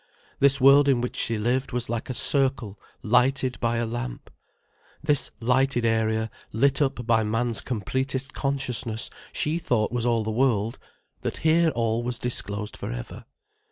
This world in which she lived was like a circle lighted by a lamp. This lighted area, lit up by man's completest consciousness, she thought was all the world: that here all was disclosed for ever.